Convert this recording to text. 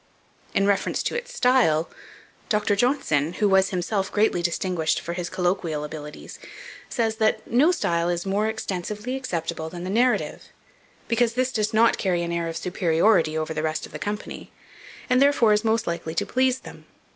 In reference to its style, Dr. Johnson, who was himself greatly distinguished for his colloquial abilities, says that "no style is more extensively acceptable than the narrative, because this does not carry an air of superiority over the rest of the company; and, therefore, is most likely to please them.